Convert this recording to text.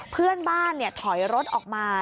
เพื่อนบ้านถอยรถออกมา